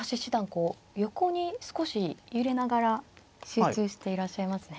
こう横に少し揺れながら集中していらっしゃいますね。